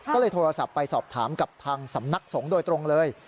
ก็เลยโทรศัพท์ไปสอบถามกับทางสำนักสงฆ์โดยตรงเลย